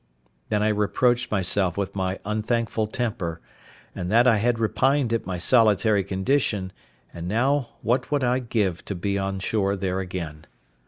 Then I reproached myself with my unthankful temper, and that I had repined at my solitary condition; and now what would I give to be on shore there again!